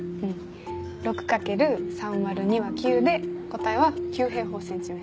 ６×３÷２は９で答えは９平方センチメートル。